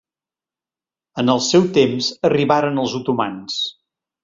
En el seu temps arribaren els otomans.